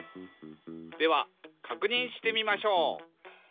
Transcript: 「ではかくにんしてみましょう」